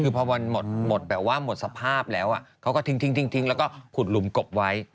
คือพอวันหมดสภาพแล้วเขาก็ทิ้งแล้วก็ขุดหลุมกบไว้